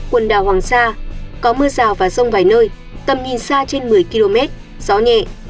quần đảo hoàng sa có mưa rào và rông vài nơi tầm nhìn xa trên một mươi km gió nhẹ